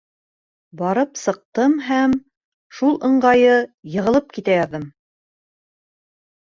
Барып сыҡтым һәм... шул ыңғайы йығылып китә яҙҙым!